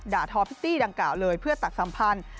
ทอพิตตี้ดังกล่าวเลยเพื่อสักสัมพันธ์